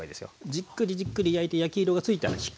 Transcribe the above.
じっくりじっくり焼いて焼き色がついたらひっくり返すね。